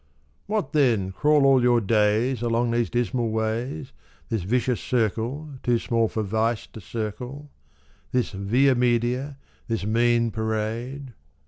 '' What then, crawl all your days " Along these dismal ways, " This vicious circle too small for vice to circle, " This ino. media, this mean parade?